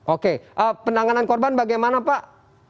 oke penanganan korban bagaimana pak